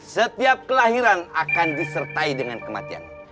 setiap kelahiran akan disertai dengan kematian